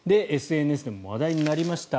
ＳＮＳでも話題になりました。